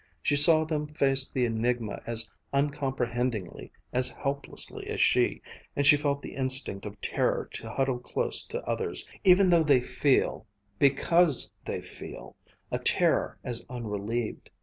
She saw them face the enigma as uncomprehendingly, as helplessly as she, and she felt the instinct of terror to huddle close to others, even though they feel because they feel a terror as unrelieved.